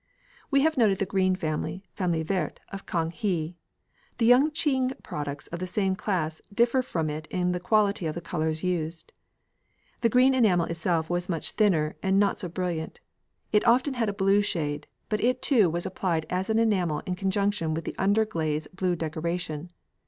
We have noted the green family, "famille verte," of Kang he. The Yung ching products of the same class differ from it in the quality of the colours used. The green enamel itself was much thinner and not so brilliant; it often had a blue shade, but it too was applied as an enamel in conjunction with the under glaze blue decoration.